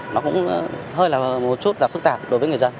nó cũng hơi là một chút và phức tạp đối với người dân